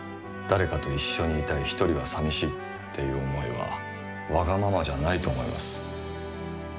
誰かと一緒にいたいひとりはさみしいっていう思いはわがままじゃないと思います。